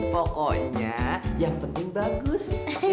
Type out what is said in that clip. pokoknya yang penting bagus